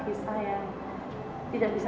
khususnya pribadi saya